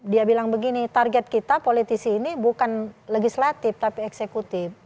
dia bilang begini target kita politisi ini bukan legislatif tapi eksekutif